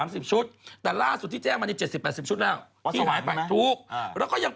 สามารณ